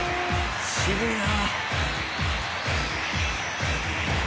渋いな。